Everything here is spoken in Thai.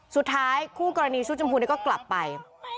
สุดท้ายคู่กรณีชุดชมพูก็กลับไป